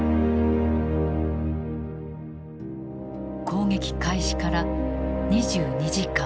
攻撃開始から２２時間。